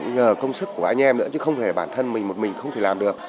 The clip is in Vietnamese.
nhờ công sức của anh em nữa chứ không thể bản thân mình một mình không thể làm được